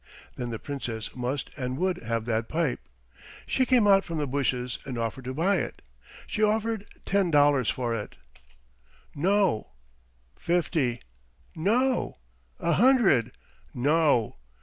Then the Princess must and would have that pipe. She came out from the bushes and offered to buy it. She offered ten dollars for it. "No." "Fifty!" "No!" "A hundred!" "No."